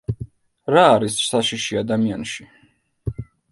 რა არის საშიში ადამიანში?